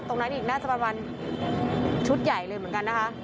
ตรงนั้นอีกน่าจะประมาณชุดใหญ่เลยเหมือนกันนะคะ